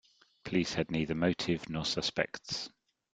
Police had neither motive nor suspects.